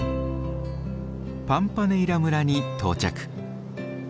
パンパネイラ村に到着。